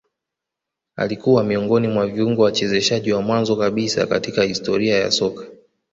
Alikua miongoni mwa viungo wachezeshaji wa mwanzo kabisa katika historia ya soka